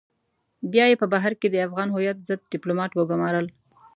بيا يې په بهر کې د افغان هويت ضد ډيپلومات وگمارل.